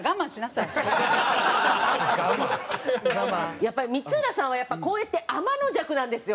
やっぱり光浦さんはこうやってあまのじゃくなんですよ。